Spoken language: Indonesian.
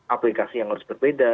aplikasi yang harus berbeda